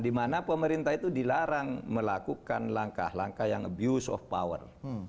dimana pemerintah itu dilarang melakukan langkah langkah yang abuse of power